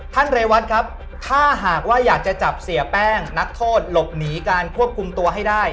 เรวัตครับถ้าหากว่าอยากจะจับเสียแป้งนักโทษหลบหนีการควบคุมตัวให้ได้